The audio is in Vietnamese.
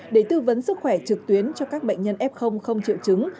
để tư vấn sức khỏe trực tuyến cho các bệnh nhân f không triệu chứng